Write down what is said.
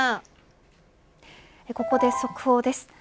ここで速報です。